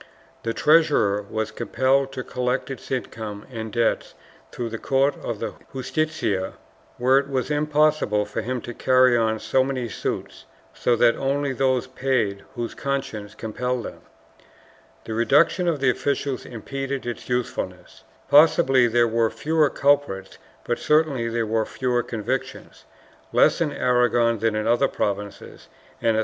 The treasurer was compelled to collect its income and debts through the court of the Justicia, where it was impossible for him to carry on so many suits, so that only those paid whose consciences compelled them. The reduction of the officials impeded its usefulness; possibly there were fewer culprits but certainly there were fewer convictions — less in Aragon than in the other provinces — and a 1 Archive de Simancas, Inquisition, Lib.